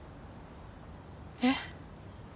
えっ？